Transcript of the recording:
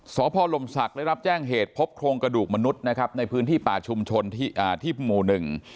สพลมศักดิ์ได้รับแจ้งเหตุพบโครงกระดูกมนุษย์นะครับในพื้นที่ป่าชุมชนที่อ่าที่หมู่หนึ่ง